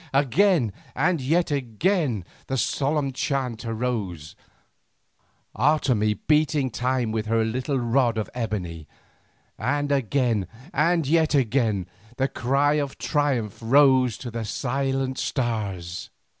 Again and yet again the solemn chant arose, Otomie beating time with her little rod of ebony, and again and yet again the cry of triumph rose to the silent stars.